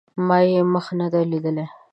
ما یې مخ نه دی لیدلی